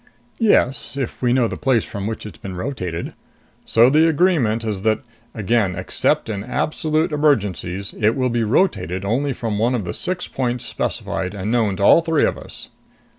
"Yes. If we know the place from which it's been rotated. So the agreement is that again except in absolute emergencies it will be rotated only from one of the six points specified and known to all three of us."